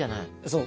そう。